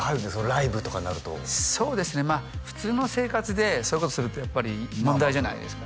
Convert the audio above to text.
ライブとかになるとそうですね普通の生活でそういうことするとやっぱり問題じゃないですか？